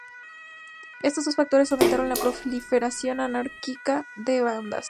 Estos dos factores aumentaron la proliferación anárquica de bandas.